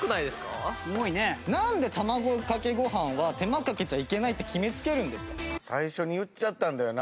なんで卵かけご飯は手間かけちゃいけないって決めつけるんですか？